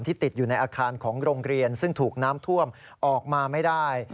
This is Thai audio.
ติดอยู่ในอาคารของโรงเรียนซึ่งถูกน้ำท่วมออกมาไม่ได้